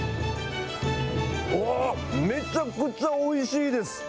おー、めちゃくちゃおいしいです。